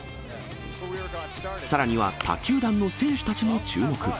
さらには、他球団の選手たちも注目。